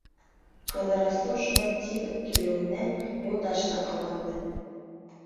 Ҡыҙырастың шулай тиҙ үк килеүенә Юлдаш та ҡыуанды.